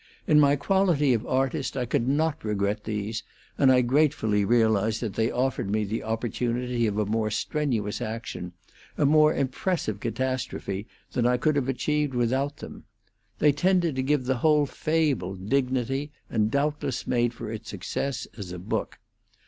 In my quality of artist I could not regret these, and I gratefully realize that they offered me the opportunity of a more strenuous action, a more impressive catastrophe than I could have achieved without them. They tended to give the whole fable dignity and doubtless made for its success as a book.